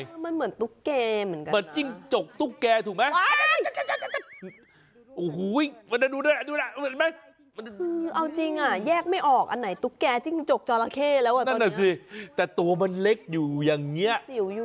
มันเหมือนตุ๊กแกเหมือนกันนะเหมือนจิ้งจกตุ๊กแกถูกมั้ยโอ้โหดูด้วยเอาจริงอ่ะแยกไม่ออกอันไหนตุ๊กแกจิ้งจกจระเข้แล้วนั่นแหละสิแต่ตัวมันเล็กอยู่อย่างเงี้ย